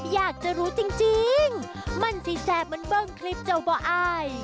อยากจะรู้จริงมันสิแซ่บมันเบิ้งคลิปเจ้าบ่อาย